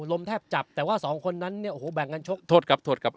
ลมแทบจับแต่ว่าสองคนนั้นเนี่ยโอ้โหแบ่งกันชกโทษกับโทษกับ